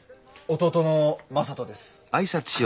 弟の正門です。